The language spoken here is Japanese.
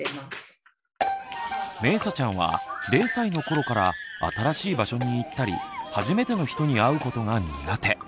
めいさちゃんは０歳の頃から新しい場所に行ったり初めての人に会うことが苦手。